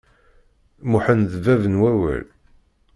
Muḥend d bab n wawal.